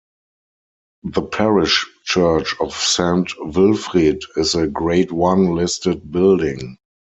The parish church of Saint Wilfrid is a Grade One listed building.